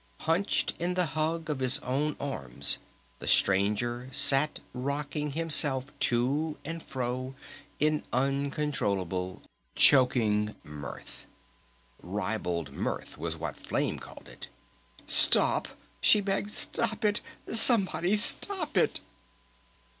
Hunched in the hug of his own arms the Stranger sat rocking himself to and fro in uncontrollable, choking mirth, "ribald mirth" was what Flame called it. "Stop!" she begged. "Stop it! Somebody stop it!"